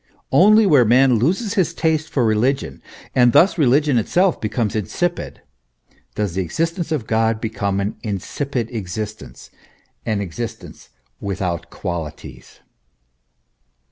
Only where man loses his taste for religion, and thus religion itself becomes insipid, does the existence of God become an insipid existence an existence without qualities.